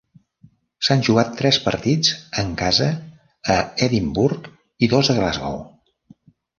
S'han jugat tres partits en casa a Edimburg i dos a Glasgow.